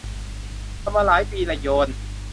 ทำมาหลายปีละ โยน